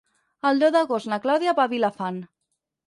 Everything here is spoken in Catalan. El deu d'agost na Clàudia va a Vilafant.